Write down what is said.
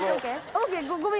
ＯＫ